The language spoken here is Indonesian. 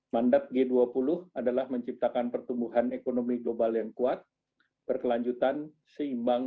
mandat g dua puluh adalah menciptakan pertumbuhan ekonomi global yang kuat berkelanjutan seimbang